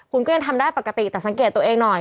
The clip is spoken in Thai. คุณก็ยังทำได้ปกติแต่สังเกตตัวเองหน่อย